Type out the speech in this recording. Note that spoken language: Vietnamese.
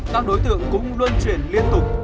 các đối tượng cũng luân chuyển liên tục